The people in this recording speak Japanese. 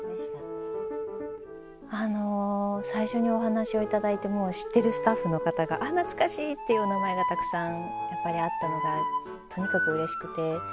あの最初にお話を頂いてもう知ってるスタッフの方があっ懐かしいっていうお名前がたくさんやっぱりあったのがとにかくうれしくて。